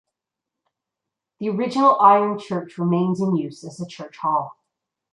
The original iron church remains in use as the church hall.